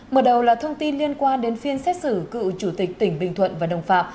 mở đầu là thông tin liên quan đến phiên xét xử cựu chủ tịch tỉnh bình thuận và đồng phạm